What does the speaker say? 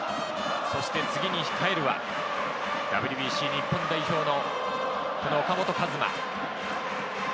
そして次に控えるはＷＢＣ日本代表の岡本和真。